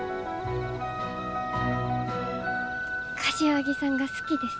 柏木さんが好きです。